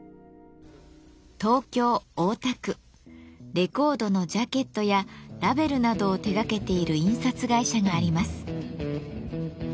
レコードのジャケットやラベルなどを手がけている印刷会社があります。